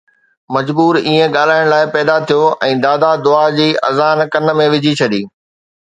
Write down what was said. مجبور، ائين ڳالهائڻ لاءِ، پيدا ٿيو ۽ دادا دعا جي اذان ڪن ۾ وجهي ڇڏي